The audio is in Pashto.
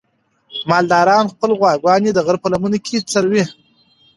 مالداران خپلې غواګانې د غره په لمنه کې څروي.